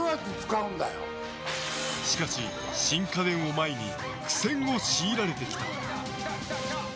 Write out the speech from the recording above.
しかし、新家電を前に苦戦を強いられてきた。